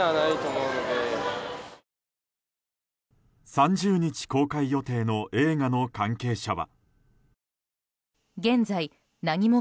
３０日公開予定の映画の関係者は。